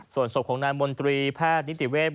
ส่วนศพของนายมนตรีแพทย์นิติเวศ